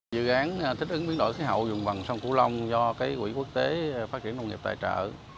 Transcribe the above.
dự án thích ứng biến đổi khí hậu dùng bằng sông cửu long do quỹ quốc tế phát triển nông nghiệp tài trợ